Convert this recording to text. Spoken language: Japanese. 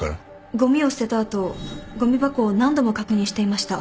ごみを捨てた後ごみ箱を何度も確認していました。